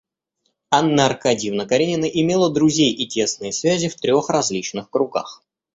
Анна Аркадьевна Каренина имела друзей и тесные связи в трех различных кругах.